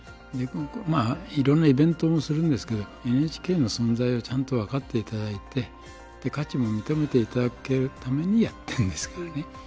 まあいろんなイベントもするんですけどＮＨＫの存在をちゃんと分かっていただいて価値も認めていただけるためにやってるんですからね。